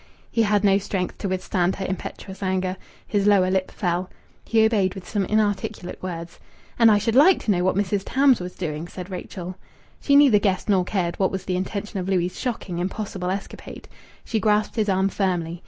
He had no strength to withstand her impetuous anger. His lower lip fell. He obeyed with some inarticulate words. "And I should like to know what Mrs. Tams was doing!" said Rachel. She neither guessed nor cared what was the intention of Louis' shocking, impossible escapade. She grasped his arm firmly.